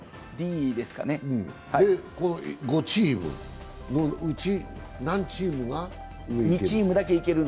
５チームのうち何チームが上に行ける？